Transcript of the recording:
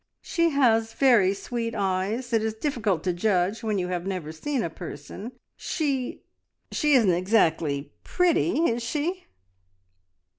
"She has very sweet eyes. It is difficult to judge when you have never seen a person. She she isn't exactly pretty, is she?"